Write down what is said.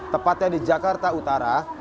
tepatnya di jakarta utara